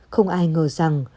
không ai ngờ rằng